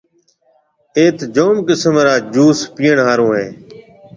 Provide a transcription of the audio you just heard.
ايٿ جوم قسم را جوُس پِئيڻ هاورن هيَ۔